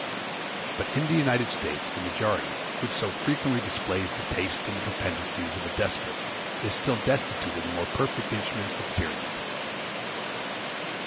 But in the United States the majority, which so frequently displays the tastes and the propensities of a despot, is still destitute of the more perfect instruments of tyranny.